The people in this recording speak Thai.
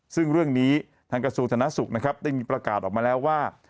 ซึ่งเรื่องนี้ทางกระทรูชนะสุขต้องมีประกาศออกมาแล้วว่า